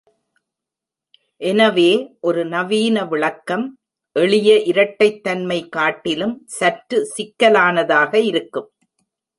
எனவே ஒரு நவீன விளக்கம் எளிய இரட்டைத்தன்மை காட்டிலும் சற்று சிக்கலானதாக இருக்கும்.